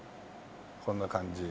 こんな感じ。